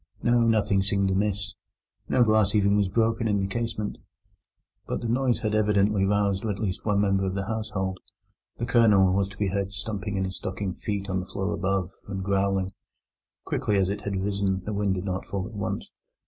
No, nothing seemed amiss; no glass even was broken in the casement. But the noise had evidently roused at least one member of the household: the Colonel was to be heard stumping in his stockinged feet on the floor above, and growling. Quickly as it had risen, the wind did not fall at once.